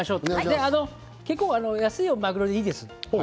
結構安いまぐろでいいです。